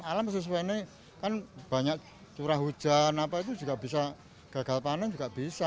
alam sesuai ini kan banyak curah hujan gagal panen juga bisa